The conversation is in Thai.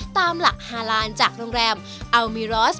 ตามหลักฮาลานจากโรงแรมอัลมิรอส